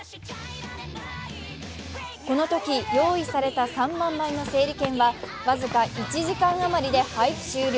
このとき用意された３万枚の整理券は僅か１時間余りで配布終了。